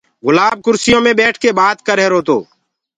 گُلآب ڪُرسيو مي ٻيٺڪي بآت ڪريهروتو